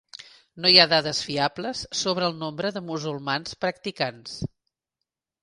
No hi ha dades fiables sobre el nombre de musulmans practicants.